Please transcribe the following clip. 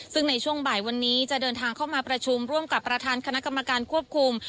ซึ่งในช่วงบ่ายวันนี้จะเดินทางเข้ามาประชุมร่วมกับประธานคณะกรรมการควบคุม